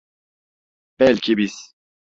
Belki biz…